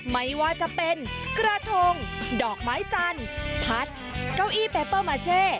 ไม่ว่าจะเป็นกระทงดอกไม้จันทร์พัดเก้าอี้เปเปอร์มาเช่